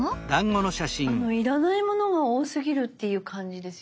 要らないものが多すぎるっていう感じですよね。